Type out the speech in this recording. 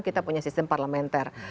kita punya sistem parlementer